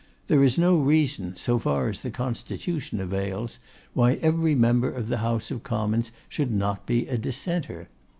There is no reason, so far as the constitution avails, why every member of the House of Commons should not be a dissenter.